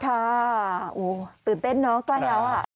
ตื่นเต้นเนอะก็แล้วอะ